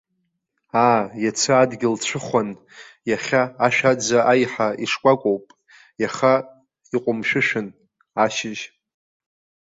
Аа, иацы адгьыл цәыхәан, иахьа ашәаӡа аиҳа ишкәакәоуп, иаха иҟәымшәышәын, ашьыжь.